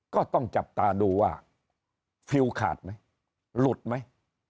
ก็ต้องจับตาดูว่าฟิลขาดไหมหลุดไหม